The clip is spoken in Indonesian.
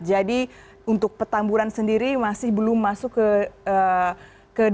jadi untuk petamburan sendiri masih belum masuk ke dalam tingkat sembuh yang cukup tinggi begitu ya